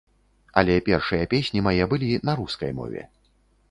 Але першыя песні мае былі на рускай мове.